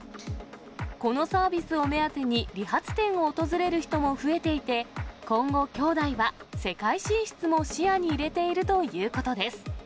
このサービスを目当てに理髪店を訪れる人も増えていて、今後、兄弟は世界進出も視野に入れているということです。